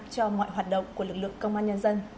cho mọi hoạt động của lực lượng công an nhân dân